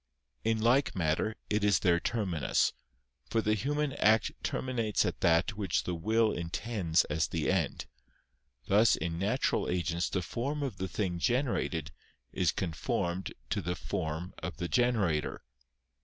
In like manner it is their terminus: for the human act terminates at that which the will intends as the end; thus in natural agents the form of the thing generated is conformed to the form of the generator.